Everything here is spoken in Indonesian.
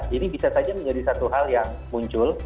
jadi bisa saja menjadi satu hal yang muncul